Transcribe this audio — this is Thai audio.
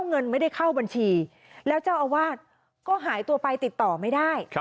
เงินไม่ได้เข้าบัญชีแล้วเจ้าอาวาสก็หายตัวไปติดต่อไม่ได้